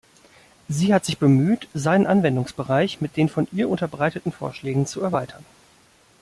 Sie hat sich bemüht, seinen Anwendungsbereich mit den von ihr unterbreiteten Vorschlägen zu erweitern.